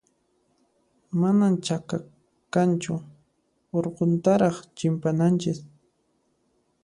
Manan chaka kanchu, urquntaraq chimpananchis.